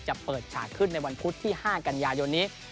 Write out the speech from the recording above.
จะเปิดฉากขึ้นในวันพุธที่๕กันยายนนี้